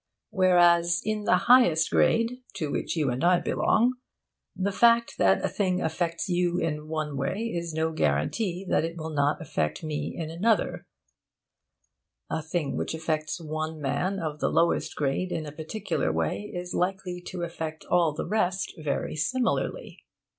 Whereas in the highest grade, to which you and I belong, the fact that a thing affects you in one way is no guarantee that it will not affect me in another, a thing which affects one man of the lowest grade in a particular way is likely to affect all the rest very similarly.